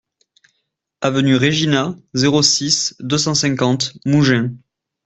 Avenue Regina, zéro six, deux cent cinquante Mougins